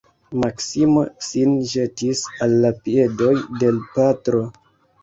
Maksimo sin ĵetis al la piedoj de l' patro.